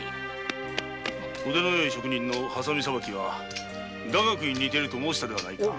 腕のよい職人のハサミさばきは雅楽に似ていると申したな。